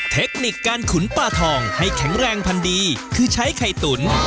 เทคนิคการขุนปลาทองให้แข็งแรงพันดีคือใช้ไข่ตุ๋น